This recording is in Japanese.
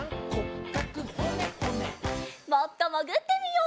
もっともぐってみよう。